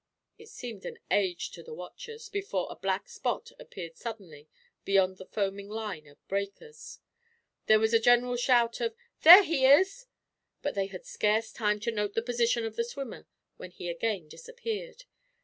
It seemed an age, to the watchers, before a black spot appeared suddenly, beyond the foaming line of breakers. There was a general shout of "There he is!" But they had scarce time to note the position of the swimmer, when he again disappeared.